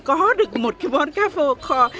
có được một cái món cá kho